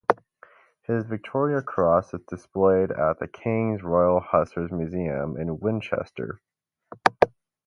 His Victoria Cross is displayed at The King's Royal Hussars Museum in Winchester.